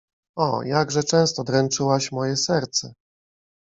O, jakże często dręczyłaś moje serce!